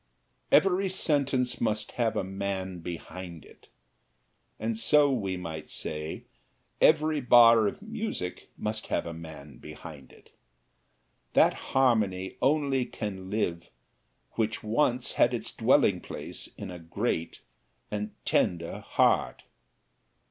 "Every sentence must have a man behind it," and so we might say, "Every bar of music must have a man behind it." That harmony only can live which once had its dwelling place in a great and tender heart.